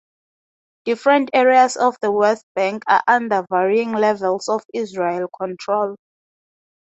Different areas of the West Bank are under varying levels of Israeli control.